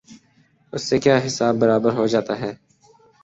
اس سے کیا حساب برابر ہو جاتا ہے؟